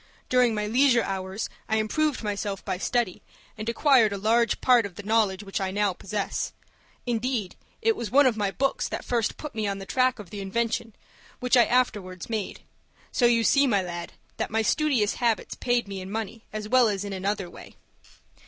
During my leisure hours I improved myself by study, and acquired a large part of the knowledge which I now possess. Indeed, it was one of my books that first put me on the track of the invention, which I afterwards made. So you see, my lad, that my studious habits paid me in money, as well as in another way."